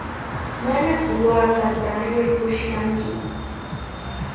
¿Manaku waakata rirqush kanki?